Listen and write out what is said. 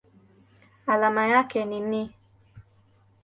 Alama yake ni Ni.